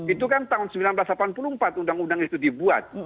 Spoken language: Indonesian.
itu kan tahun seribu sembilan ratus delapan puluh empat undang undang itu dibuat